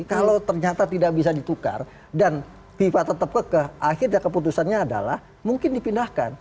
kalau ternyata tidak bisa ditukar dan fifa tetap ke akhirnya keputusannya adalah mungkin dipindahkan